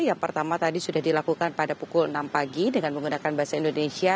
yang pertama tadi sudah dilakukan pada pukul enam pagi dengan menggunakan bahasa indonesia